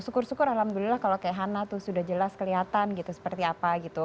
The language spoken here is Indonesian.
syukur syukur alhamdulillah kalau kayak hana tuh sudah jelas kelihatan gitu seperti apa gitu